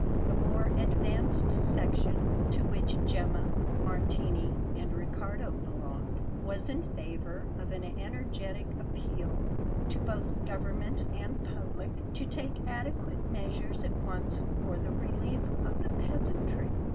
The more advanced section, to which Gemma, Martini, and Riccardo belonged, was in favour of an energetic appeal to both government and public to take adequate measures at once for the relief of the peasantry.